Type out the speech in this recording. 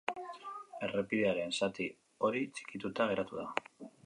Errepidearen zati hori txikituta geratu da.